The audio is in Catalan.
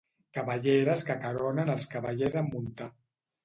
Cabelleres que acaronen els cavallers en muntar.